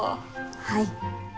はい。